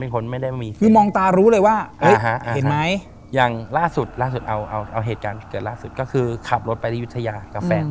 คือขับรถไปอยุธยากับแฟน